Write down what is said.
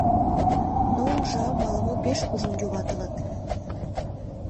Но, ужам, ала-мо пеш кужун юватылыт.